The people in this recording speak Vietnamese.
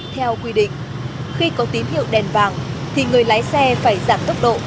theo quy định khi có tín hiệu đèn vàng thì người lái xe phải giảm tốc độ